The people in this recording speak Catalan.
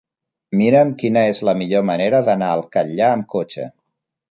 Mira'm quina és la millor manera d'anar al Catllar amb cotxe.